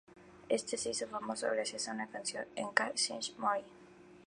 Éste se hizo famoso gracias a una canción enka de Shinichi Mori.